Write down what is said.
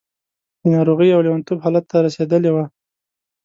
د ناروغۍ او لېونتوب حالت ته رسېدلې وه.